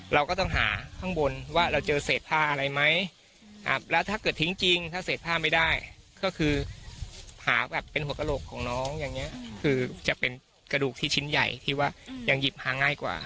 เราก็ต้องหาข้างบนว่าเราเจอเศษผ้าอะไรไหมแล้วถ้าเกิดทิ้งจริงถ้าเศษผ้าไม่ได้ก็คือหาแบบเป็นหัวกระโหลกของน้องอย่างนี้คือจะเป็นกระดูกที่ชิ้นใหญ่ที่ว่ายังหยิบหาง่ายกว่า